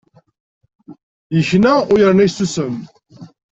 Yekna u yerna yessusem.